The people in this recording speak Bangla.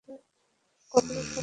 কখনও স্বপ্নেও কল্পনা করে নাই।